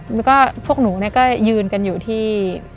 แล้วก็พวกหนูก็ยืนกันอยู่ที่